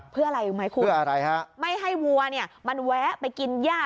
เพื่ออะไรไหมคุณไม่ให้วัวเนี่ยมันแวะไปกินหญ้า